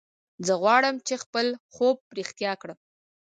زه غواړم چې خپل خوب رښتیا کړم